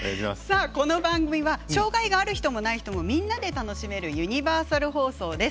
この番組は障がいがある人もない人もみんなで楽しめるユニバーサル放送です。